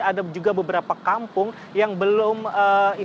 ada juga beberapa kampung yang belum